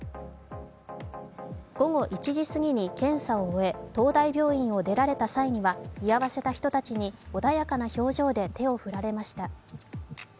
午後１時すぎに検査を終え、東大病院を出られた際には居合わせた人たちに穏やかな表情で手を振られました。